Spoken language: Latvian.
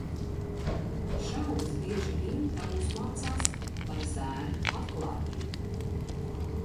Šaubas bieži vien tam uzmācās par zēnu atklātību.